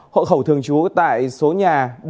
hộ khẩu thường trú tại số nhà